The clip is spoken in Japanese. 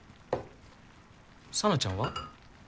沙奈ちゃんは？